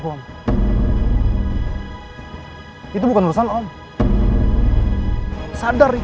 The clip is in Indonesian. kemudian tujuan kita sebelum jalan mulut